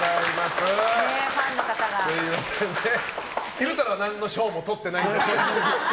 昼太郎は何の賞もとってないんでね